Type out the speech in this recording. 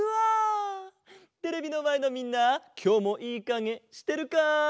テレビのまえのみんなきょうもいいかげしてるか？